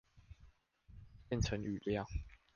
變成語料